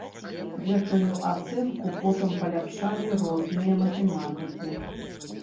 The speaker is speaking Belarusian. Гэтую ацэнку потым паляпшалі розныя матэматыкі.